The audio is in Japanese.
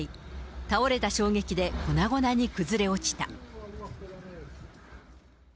倒れた衝撃で粉々に崩れ落ちた。